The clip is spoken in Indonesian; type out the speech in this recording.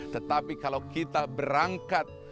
tetapi kalau kita berangkat